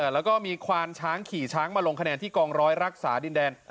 แล้วก็มีควานช้างขี่ช้างมาลงคะแนนที่กองร้อยรักษาดินแดน